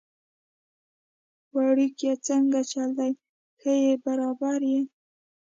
وړکیه څنګه چل دی، ښه يي برابر يي؟